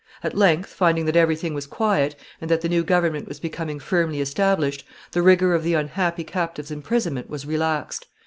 At length, finding that every thing was quiet, and that the new government was becoming firmly established, the rigor of the unhappy captive's imprisonment was relaxed.